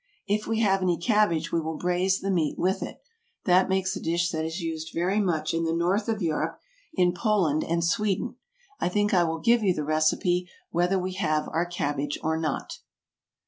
If we have any cabbage we will braise the meat with it. That makes a dish that is used very much in the north of Europe, in Poland and Sweden. I think I will give you the recipe, whether we have our cabbage or not.